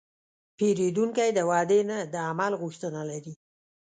پیرودونکی د وعدې نه، د عمل غوښتنه لري.